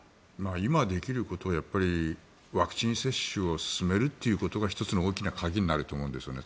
今できることワクチン接種を進めるということが１つの大きな鍵になると思うんですよね。